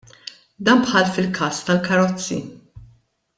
Dan bħal fil-każ tal-karozzi.